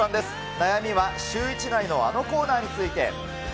悩みはシューイチ内のあのコーナーについて。